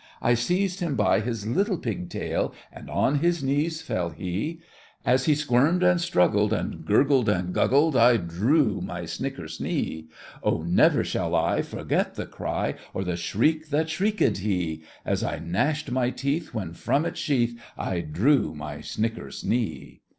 I seized him by his little pig tail, And on his knees fell he, As he squirmed and struggled, And gurgled and guggled, I drew my snickersnee! Oh, never shall I Forget the cry, Or the shriek that shrieked he, As I gnashed my teeth, When from its sheath I drew my snickersnee!